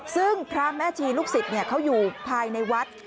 ซึ่งพระแม่ชีลูกศิษย์เขาอยู่ภายในวัด